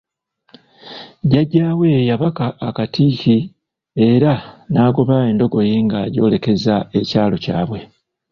Jjajja we yabaka akati ki era n'agoba endogoyi ng'agyolekeza ekyalo kyabwe.